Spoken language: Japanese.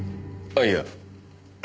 あっいや。